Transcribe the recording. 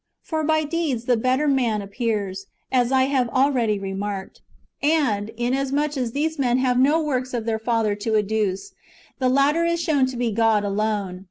For by deeds the better man appears, as I have already remarked;^ and, inasmuch as these men have no works of their father to adduce, the latter is shown to be God alone.